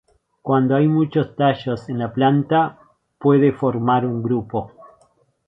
Cuando hay muchos tallos en la planta puede formar un grupo.